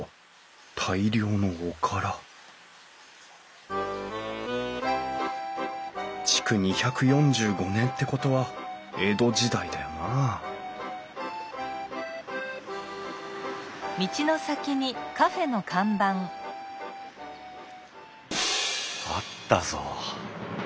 大量のおから築２４５年ってことは江戸時代だよなあったぞ！